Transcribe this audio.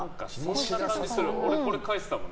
俺、これ書いてたもん。